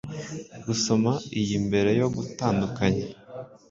gusoma iyi mbere yo gutandukanya